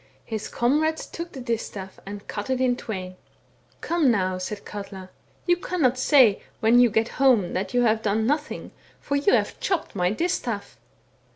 His comrades took the distaff and cut it in twain. * Come now !' said Katla, * you cannot say, when you get home, that you have done nothing, for you have chopped up my distaff.'